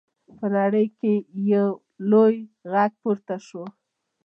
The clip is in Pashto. په نړۍ کې یې لوی غږ پورته شو.